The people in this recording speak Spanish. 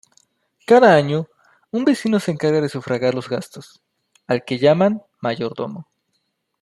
Cada año, un vecino se encarga de sufragar los gastos, al que llaman mayordomo.